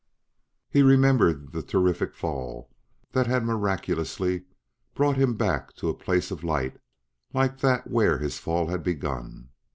He remembered the terrific fall that miraculously brought him back to a place of light like that where his fall had begun.